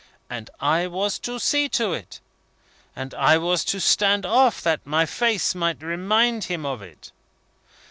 And I was to see to it. And I was to stand off, that my face might remind him of it.